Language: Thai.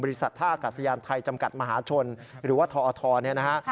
ท่ากาศยานไทยจำกัดมหาชนหรือว่าทอทเนี่ยนะฮะ